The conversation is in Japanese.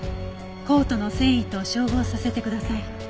コートの繊維と照合させてください。